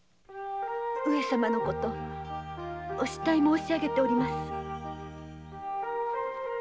上様のことお慕い申し上げております。